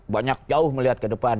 banyak jauh melihat ke depan